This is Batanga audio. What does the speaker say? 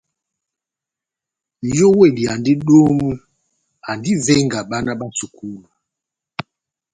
Nʼyówedi andi domu, andi ó ivenga bána bá sukulu.